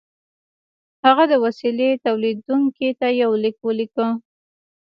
هغه د وسیلې تولیدوونکي ته یو لیک ولیکه